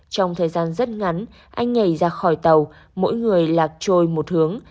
trong thời gian rất ngắn anh nhảy ra khỏi tàu mỗi người lạc trôi một hướng